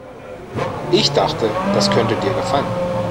Ich dachte, das könnte dir gefallen.